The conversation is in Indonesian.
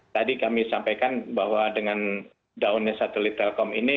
tadi kami sampaikan bahwa dengan downnya satelit telkom ini